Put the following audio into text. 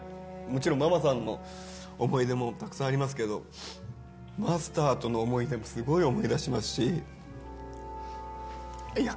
もちろんママさんの思い出もたくさんありますけどマスターとの思い出もすごい思い出しますしいや